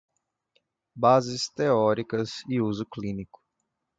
Bases teóricas e uso clínico